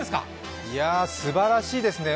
いやすばらしいですね！